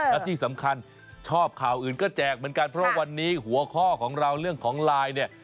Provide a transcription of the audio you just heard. และที่สำคัญชอบข่าวอื่นก็แจกเหมือนกันเพราะวันนี้หัวข้อของเราเรื่องของไลน์เนี่ย